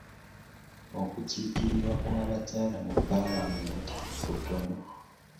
Okukiikirirwa kw'abakyala mu paalamenti kutono.